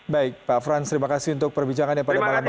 baik pak frans terima kasih untuk perbicaraannya pada malam ini